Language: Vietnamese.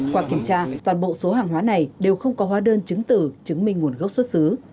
qua kiểm tra toàn bộ số hàng hóa này đều không có hóa đơn chứng tử chứng minh nguồn gốc xuất xứ